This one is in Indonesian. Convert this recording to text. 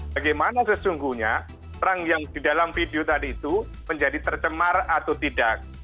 bagaimana sesungguhnya perang yang di dalam video tadi itu menjadi tercemar atau tidak